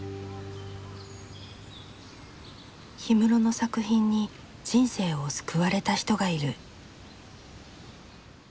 氷室の作品に人生を救われた人がいる。